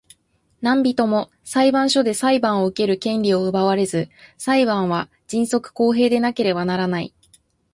何人（なんびと）も裁判所で裁判を受ける権利を奪われず、裁判は迅速公平でなければならない。